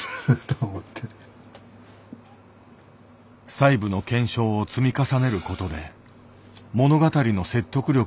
細部の検証を積み重ねることで物語の説得力を高めていく。